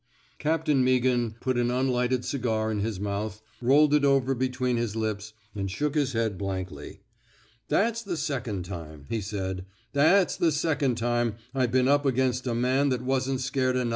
Captain Meaghan put an unlighted cigar in his mouth, rolled it over between his lips, and shook his head blankly. That's the second time," he said. That's the second time I been up against a man that wasn't scared of nuthin'.